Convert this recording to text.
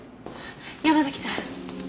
山崎さん。